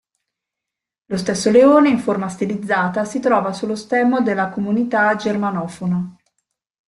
Lo stesso leone, in forma stilizzata, si trova sullo stemma della comunità germanofona.